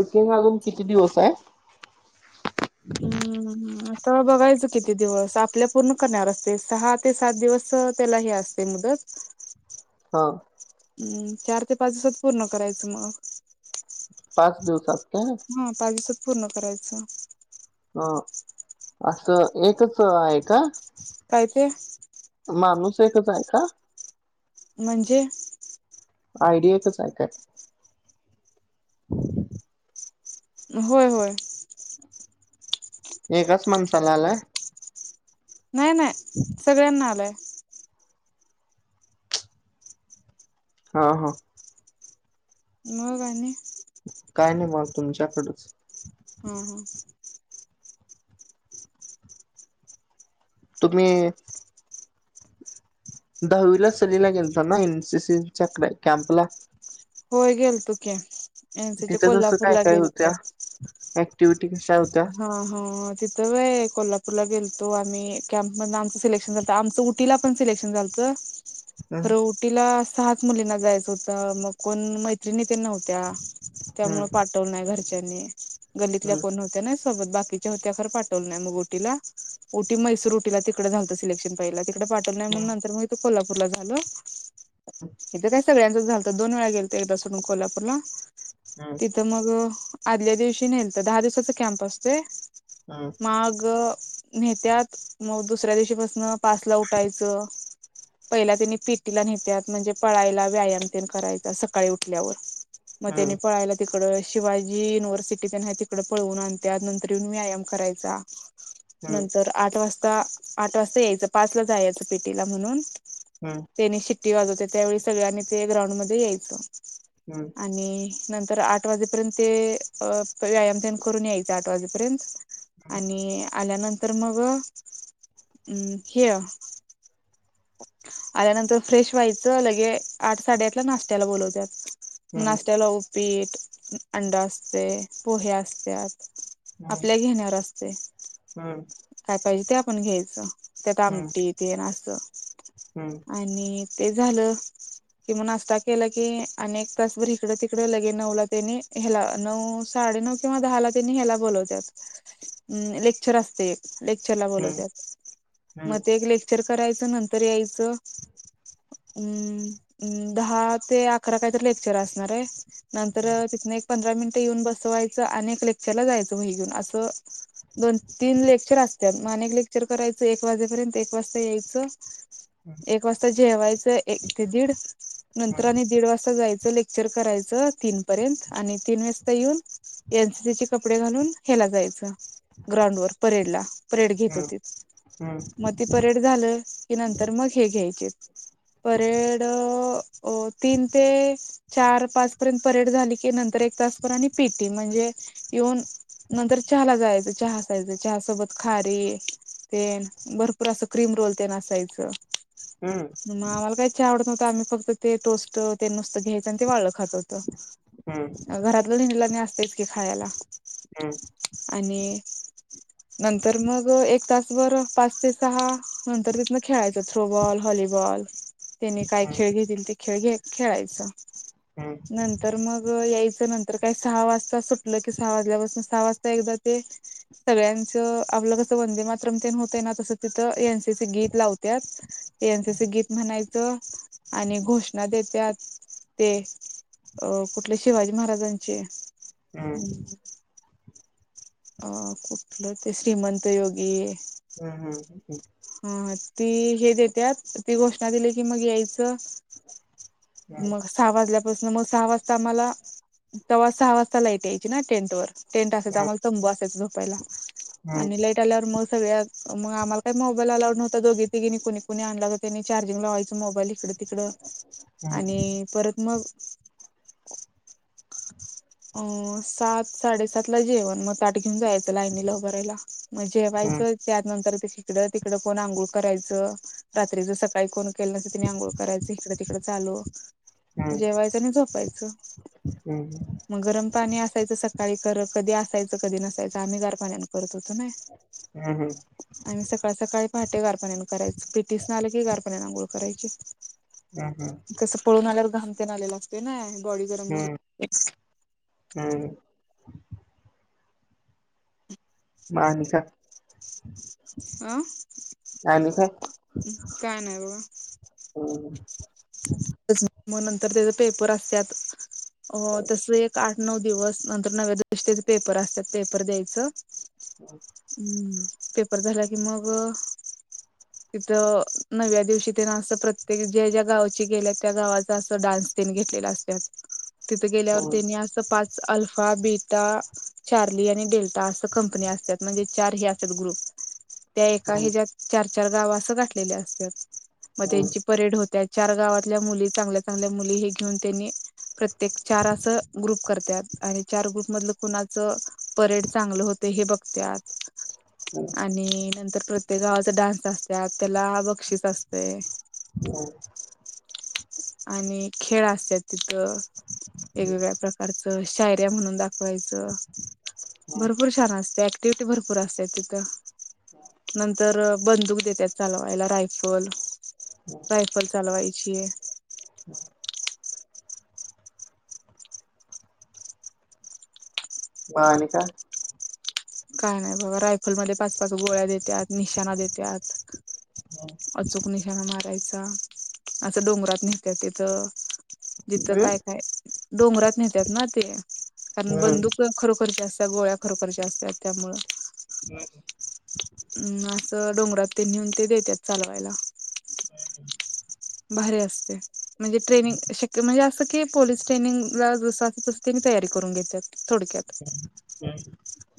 र्केंग आ किती दिवस आहे हम्म आ तर बघायचं किती दिवस आपल्या पूर्ण करणार असते सहा ते सात दिवस त्याला हे असते मुदत. हा हम् चार ते पाच दिवसात पूर्ण करायचं म. पाच दिवसात. काय? हा पाचच. पूर्ण करायचं. हा असं एकच आहे का? काय ते? फक्त एकच आहे का? म्हणजे? आयडी एकच आहे काय? होय होय. एकच माणसाला आलाय. नाही नाही सगळ्यांना आलंय. ह ह. मग आणि काय नाही मग तुमच्याकडच. ह ह. तुम्ही दहावीला सहलीला गेलता ना एनसीसीच्याकडे कॅम्पला. होय गेलतो की एनसीचे कोल्हापूरला गेलतो. ऍक्टिव्हिटी कशी हा हा तिथं वय कोल्हापूरला गेलतो वा आम्ही कॅम्प मधन आमचं सिलेक्शन झालंत, आमचं उटीला पण सिलेक्शन झालत. खर हम्म उटीला सहाच मुलींना जायचं होत मग कोण मैत्रणी नव्हत्या त्यामुळे हम्म पाठवल नाही घरच च्याणी. गल्लीतल्या हम्म कोण नवत्या ना. सोत बाकीच्या होत्या खर पाठवलं मग उटीला उटी मैसूर उटीला तिकड झात सिलेक्शन पहि- पाठवल नाय म्हणू नंतर म इथं कोल्हापूर ला झाल. हीथ काय? सगळ्यांचच झालतं दोन वेळा गेलते एकदा सोडून कोल्हापूरला. हम्म तिथं मग आदल्या दिवशी नलत दहा दिवसाचा कॅम्प असतो. ते. हम्म माग नेत्यात मग दुसऱ्या दिवशी पसन पाचला उठायचं पहिला त्यांनी पिटीला नेत्यात म्हणजे पळायला, व्यायाम तेन करायला सकाळी उठल्यावर. मग त्यानी हम्म पळाय [unintelligible] तीकड शिवाजी युनिव्हर्सिटी तेन हाय तिकड पळवून आण त्यानंतर येऊन व्यायाम करायचा. नंतर आठ वाजता आता आठ वाजता यायचं पाच ला जा याचं पीटीला म्हणून हम्म त्यांची सिटी वाजवत्यात त्यावेळी सगळ्यांनी ते ग्राउंड मध्ये यायचं. हम्म आणि नंतर आठ वाजेपर्यंत ते अ व्यायाम तेन करून यायच. आठ वाजेपर्यंत आणि आल्यानंतर मग [inaudible] हे आल्यानंतर फ्रेश व्हायचं लगे आठ साडेआठ ला नाशत्याला बोलवत्यात. हम्म नाश्त्याला उपी अंड असते, पोहे असत्यात. हम्म हम्म आपल्या घेन्यावर असतय. हम्म हम्म पाहिजे ते आपण घ्यायचं. त्यात आमटी तेन असं. हम्म चा. [inaudible] आणि ते झालं कि म नाश्ता केला की अनेक तासभर इकड-तिकड लगे नऊ ला त्यानी ह्याला नऊ, साडे नऊ किंवा दहाला त्यांनी हेला बोलवत्यात अ लेक्चर असते. लेक्चर ला हम्म बोलवत्यात, हम्म मग ते एक लेक्चर करायच नंतर यायच मं, मं दहा ते अकरा काहीतर लेक्चर असणार आहे. नंतर तिथनं एक, पंधरा मिनिट येऊन बसवायच अनेक ले क्चरला जायचं वही घेऊन असं दोन, तीन लेक्चर असत्यात. म अनेक लेक्चर करायचं एक वाजेपर्यंत एक वाजता यायचं एक वाजता जेवायचं एक ते दीड नंतर मग आणि दीड वाजता जायचं. लेक्चर करायचं तीन पर्यंत आणि तीन वाजता येऊन एन सी सी. [unintelligible] कपडे घालून हेला जायचं ग्राउंड वर परेड ला. परेड घेत होतीत. मग ती परेड झालं की नंतर मग हे घ्यायचेत. परेड अ अ तीन ते चार, पाच पर्यंत परेड झाली की नंतर एक तासपर् आणि पीटी म्हणजे येऊन नंतर चहाला जायचं चहा असायचं चहा सोबत खारीे तेन भरपूर असं क्रीम रोल तेन असायचं. मग आम्हाला काही आवडतो. ता आम्ही फक्त ते टोस्ट ते नुसत घ्यायचं आणि ते वाळलं खात होतो. घरातलं [unintelligible] आणि आस तेचकी खायाला. आणि नंतर मग एक तासभर पाच ते सहा नंतर तिथन खेळायचं थ्रोबॉल, हॉलीबॉल त्यानी काय खेळ घेतील ते खेळ घे खेळायचं. नंतर मग याय नंतर काय सहा वाजता सुटलं की सहा वाजल्यापासून सहा वाजता एकदा ते सगळ्यांच आपलं कसं वंदे मातरम् तेन होतंय ना तसं तिथं एन. सी. सी. गीत लावत्यात एन. सी. सी. गीत म्हणायचं आणि घोषणा देत्यात, ते अ कुठले शिवाजी महाराजांचे हम्म. अ कुठलं ते श्रीमंत योगी हम्म हम्म. ह ती हे देत्यात ती घोषणा दिली की मग यायचं. मग सहा वाजल्या पसनं मग सहा वाजता आम्हाला तवा सहा वाजता लाईट यायची ना टेन्ट वर. टेन्ट असायचं आम्हाला तंबू असायचा झोपायला आणि लाईट आल्यावर मग सगळ्या मग आम्हाला काही मोबाईल अलाउड नव्हता दोघी तिघीणी कोणी कोणी आणला त्यांनी चार्जिंग लाव्हायचं मोबाईल इकडं तिकडं. आणि परत मग अ सात साडेसात ला जेवण मग ताट घेऊन जायचं. लाईनीला उभराहिला म जेवायच त्यानर तिकडं तिकड कोण अंघोळ करायचं रात्रीच सकाळी कोण केलं नसं तिने आंघोळ करायचं इकडं तिकडं चालू जेवायचं आणि झोपायचं. गरम पाणी असायचं सकाळी खरं कधी असायचं कधी नसायचं आम्ही गार पाण्या करत होतो. [unintelligible] आणि सकाळ सकाळी पहाटे गार पाण्याने करायच. पेटीसनी आल की गार पाण्याने अंघोळ करायचे. तस पळून आल्यावर घाम तेन आलेल असतंय नाय. बॉडी गरम झाली [unintelligible] हम्. म आणि काय? हा आणि काय? काय नाही बघा मग नंतर त्याच पेपर असत्यात तस एक आठ नऊ दिवस नंतर नव्या दिवशी त्याचे पेपर असत्यात पेपर द्यायचं. हम्म. पेपर झाला की मग तिथ नवव्या दिवशी ते न अस प्रत्येक ज्या ज्या गावा गेल्या त्या गावात डान्स पण घेतलेल असत. तिथं गेल्यावर त्यांनी असं पाच अल्फा बीटा चार्ली आणि डेल्टा असं कंपनी असत्यात म्हणजे चार हे असतात ग्रुप. त्या एका ह्याच्या चार चार गाव असं घातलेल्या असत्यात. मग त्यांची परेड होत्या. चार गावातल्या मुली चांगल्या चांगल्या मुली हे घेऊन त्यांनी प्रत्य ते चार असं ग्रुप करतात. आणि चार ग्रुप मधलं कुणाच परेड चांगलं होत हे बघत्यात. आणि नंतर प्रत्येक गावाचा डान्स असतात त्याला बक्षीस असते. हम् आणि खेळ असत्यात तिथं वेगवेगळ्या प्रकारच शायरी म्हणून दाख मग भरपूर छान असत. तिवट भरपूर असते तिथं. नंतर बंदूक देतात चालवायला राहि होल बाय वायची ह हा आणी काय काय नाही बाबा रायफलमध्येध्ये पाच पाच गोळ्या देतात निशाणा देतात अचूक निशाणा मारायचा असं डोंगरात नेत्या तिथं जिथं काय काय डोंगरात नेतात ना ते कारण बंदूक खरोखरची असत. गोळ [unintelligible] खरोखरच्या असतात. हम् अम् असं डोंगरात ते नेऊन ते देतात चालवायला. भारी असते, म्हणजेन म्हणजे अस पोलीस ट्रेनिंग ज त तयारी करून घेतात. थोडक्यात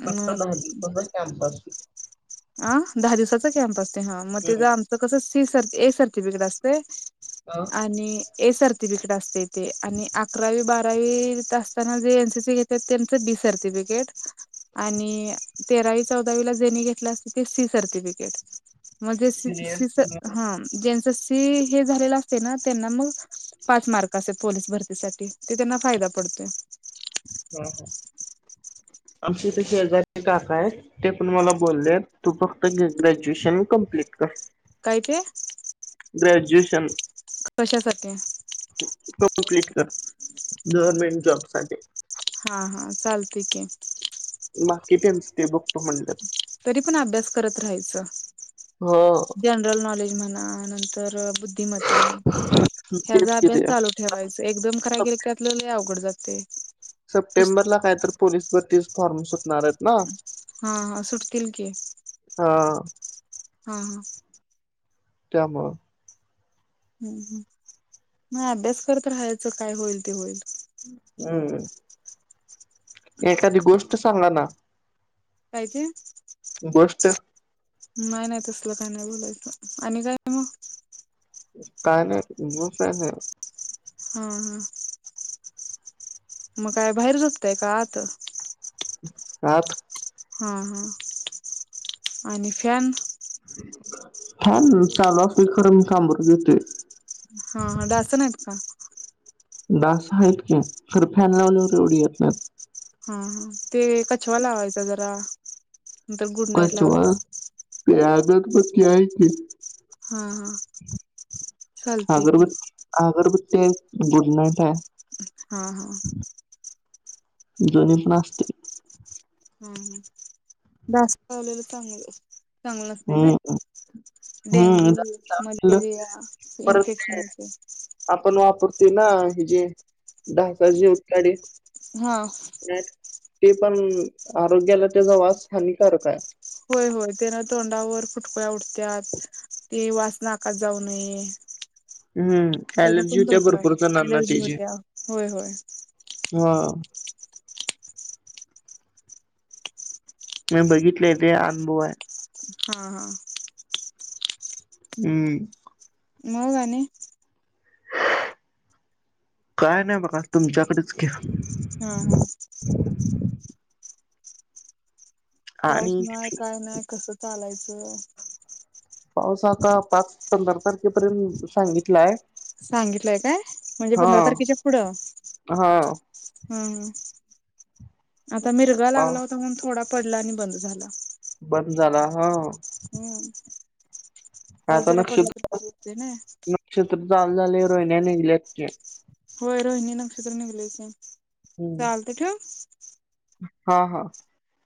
अ पता कॅमपास [unintelligible] अ दहा दिवसाचा कॅम्प अस ह मग ते आमचं कसं ती सर ए सरती बिकड असते. आणि हे सरती पिकीट असते. आणि अकरावी बारा असताना जे एनसीसी घेतात ते बी सर्टिफिकेट आणि तेरावी चौदावी ला जेणे घेतला सी सर्टिफिकेट मगज सीस ज्युनियर सीस सिनियर ह ज्यांच हे झाले असते ना त्यांना मग पाच मार्क असतात पोलीस भरतीसाठी ते त्यांना फायदा पडतोय. ह आमचे इथ शेजारी काका आहेत. ते पण मला बोलले तू फक्त ग्रॅज्युएशन कम्प्लीट कर. काय ते ग्रॅज्युएशन कशासाठी कम्प्लीट कर गव्हर्मेंट जॉब साठी. हा हा चालतय कि माकीेटस ते बघतो म्हणल. तरी पण अभ्यास करत हो. राहायच जनरल नॉलेज म्हण आ नंतर अ बुद्धिमता तेच ह्याचा कि अभ्यास ते चालू ठेवायचा एकदम कराय गेल कि आपल्याला लय अवघड जात. ते सप्टेंबरला काय तर पोलीस भरतीस फॉर्म सु हा हा सुटतील की हा हा हा त्यामुळं हम्म ह म अभ्यास करत राहायचं काय होईल ते होईल. हम्म एखादी गोष्ट सांगा ना. काय ते. गोष्ट. नाही नाही तसल काय नाही बोलायचं आणि काय मग. काय नाही हा हा मग काय बाहेर झोपताय का आत. आत. हा हा आणि फ्यान फॅन चालू असल खरं मी कामबरू घेतोय. हा ह डास नाहीत का? दास आहेतत की तरर फॅन लावल्यावर एवढी येत नाहीत. हा हा ते कछवा ला हवायचा जरा नई तर गुड नाईट लावज टी अगरबत्ती आहे की हा हा चालते कि अगरबत्ती अगरबत्ती गुड नाईट आहे. हा हा. दोनी पण असते. हम ह ढास चावलेल चांगल. चांगलं नसते हम्म ना डेंगू हम्म राहिलं मलेरिया इन्फेक्शनच आहे. ते ना ह जे ढसाची उडकडी. [inaudible] ते पण आरोग्याला त्याचा वास हानिकारक आहे. होय होय तेन तोंडावर फुटकुळ्या उठत्या तेी वास नाकात जाऊ नये. हम्म त्याचा एलर्जी पण हो त्या धोका भरपूर आहे जाणंना अलर्जी तीजे होत्या होय होय हा. मी बघितलेय ते अनुभव आहे. हा हा. हम्म. मग नि काय नाही बघा तुमच्याकडेच कि हम्म हम्म. पाऊस आणि नाही काय नाही कस. चालायचं. पाऊस आता पाच पंधरा तारखेपर्यंत सांगितलाय. सांगितलंय काय म्हणजे हा पंधरा तारखेच्या पुढं. हा हम्म. आता मिरगा पाव लागला होता म्हणून थोडा पडला आणि बंद झाला. हो हो. हम्म पाऊस आता जरा पडला नक्षत्र तर बर वाटतय ना. कळालं नाही. होय रोहिणी नक्षत्र निगलंय कि हम्म चालतय ठेवू. हा हा.